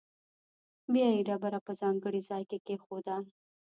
بیا یې ډبره په ځانګړي ځاې کې کېښوده.